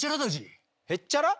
へっちゃら？